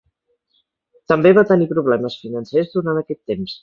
També va tenir problemes financers durant aquest temps.